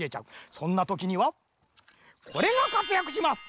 そんなときにはこれがかつやくします。